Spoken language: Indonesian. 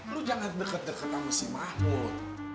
lu jangan deket deket sama si mahmud